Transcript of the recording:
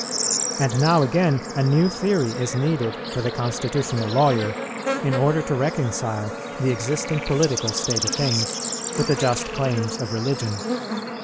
And now again a new theory is needed for the constitutional lawyer, in order to reconcile the existing political state of things with the just claims of religion.